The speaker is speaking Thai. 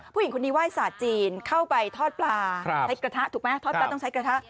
ผู้หญิงคนนี้ไห้ศาสตร์จีนเข้าไปทอดปลาใช้กระทะถูกไหมทอดปลาต้องใช้กระทะ